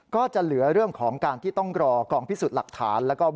ก็จะเหลือเรื่องของการที่ต้องรอกองพิสูจน์หลักฐานแล้วก็